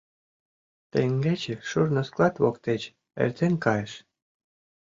Теҥгече шурно склад воктеч эртен кайыш.